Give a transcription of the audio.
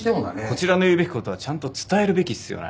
こちらの言うべきことはちゃんと伝えるべきっすよね？